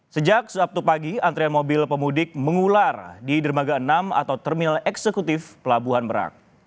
sejak sabtu pagi antrian mobil pemudik mengular di dermaga enam atau terminal eksekutif pelabuhan merak